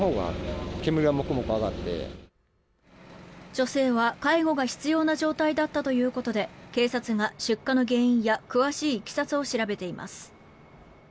女性は介護が必要な状態だったということで警察が出火の原因や詳しい経緯を調べています。